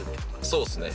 そうですね。